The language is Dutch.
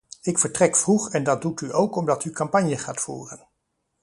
Ik vertrek vroeg en dat doet u ook omdat u campagne gaat voeren.